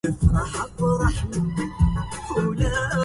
صاح إن الخطوب في غليان